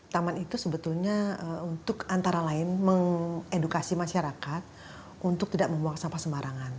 taman itu sebetulnya untuk antara lain mengedukasi masyarakat untuk tidak membuang sampah sembarangan